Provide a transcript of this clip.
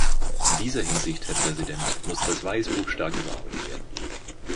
In dieser Hinsicht, Herr Präsident, muss das Weißbuch stark überarbeitet werden.